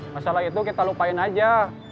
masalah itu kita lupain aja